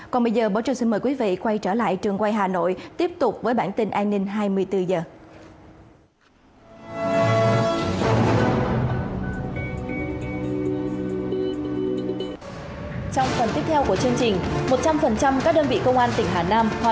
còn bây giờ bộ trường xin mời quý vị quay trở lại trường quay hà nội tiếp tục với bản tin an ninh hai mươi bốn h